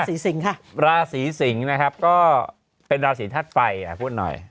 สีสิงฮะราศรีสิงฮ์นะครับก็เป็นราศรีภาษาไฟอ่ะพูดหน่อย